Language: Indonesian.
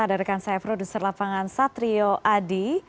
ada rekan saya produser lapangan satrio adi